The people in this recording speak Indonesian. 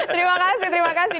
terima kasih terima kasih